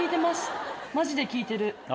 マジで効いてる。